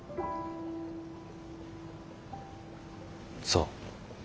そう。